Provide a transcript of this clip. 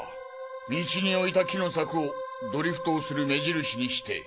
道に置いた木の柵をドリフトをする目印にして。